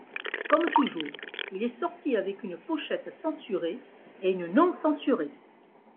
Comme toujours, il est sorti avec une pochette censurée et une non-censurée.